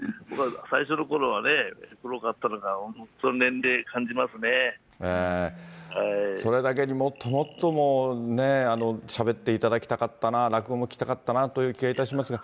最初のころは黒かったのが、本当それだけに、もっともっと、ねぇ、しゃべっていただきたかったな、落語も聞きたかったなぁという気がいたしますが。